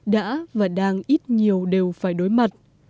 đã và đang ít nhiều đều phải đối mặt